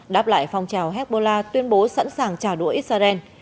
đáp lại phong trào hezbollah tuyên bố sẵn sàng trả đũa israel